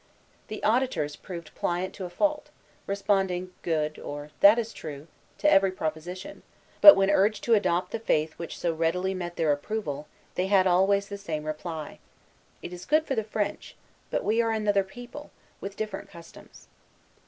The auditors proved pliant to a fault, responding, "Good," or "That is true," to every proposition; but, when urged to adopt the faith which so readily met their approval, they had always the same reply: "It is good for the French; but we are another people, with different customs."